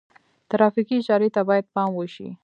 ترافیکي اشارې ته باید پام وشي.